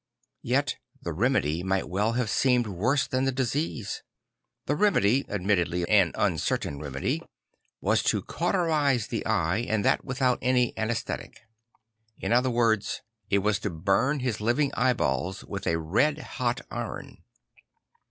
Yet the remedy might well have seemed \vorse than the disease. The remedy, admittedly an uncertaIn remedy, was to cauterise the eye, and that without any anæsthetic In other words it was to burn his living eyeballs with a red hot iron.